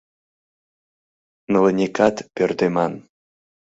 Нылынекат пӧрдеман.